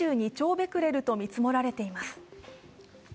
ベクレルと見積もられています。